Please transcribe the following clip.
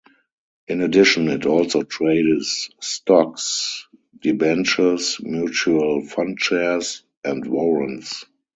In addition, it also trades stocks, debentures, mutual fund shares, and warrants.